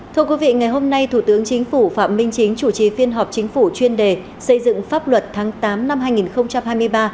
thưa quý vị ngày hôm nay thủ tướng chính phủ phạm minh chính chủ trì phiên họp chính phủ chuyên đề xây dựng pháp luật tháng tám năm hai nghìn hai mươi ba